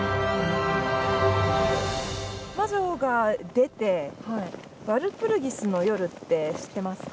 魔女が出てワルプルギスの夜って知ってますか？